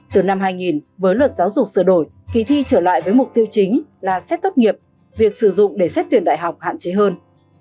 từ năm hai nghìn với luật giáo dục sửa đổi kỳ thi trở lại với mục tiêu chính là xét tốt nghiệp việc sử dụng để xét tuyển đại học hạn chế hơn